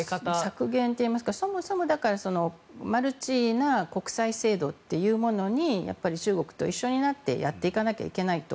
削減といいますかそもそもマルチな国際制度っていうものに中国と一緒になってやっていかなきゃいけないと。